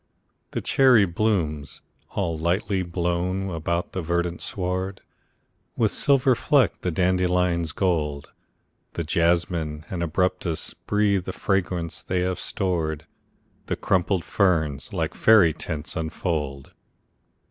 The cherry blooms, all lightly blown about the verdant sward, With silver fleck the dandelion's gold; The jasmine and arbutus breathe the fragrance they have stored; The crumpled ferns, like faery tents, unfold.